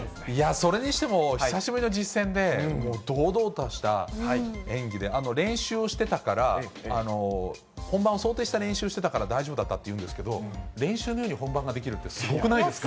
それにしても久しぶりの実戦で、堂々とした演技で、練習をしてたから、本番を想定してた練習をしてたから大丈夫だったというんですけど、練習のように本番ができるって、すごくないですか？